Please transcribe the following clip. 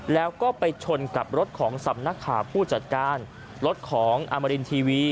แล้วก็ไปชนกับรถของสำนักข่าวผู้จัดการรถของอมรินทีวี